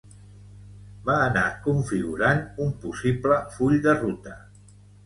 Va anar configurant un possible full de ruta